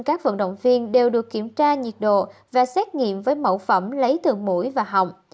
các vận động viên đều được kiểm tra nhiệt độ và xét nghiệm với mẫu phẩm lấy thường mũi và họng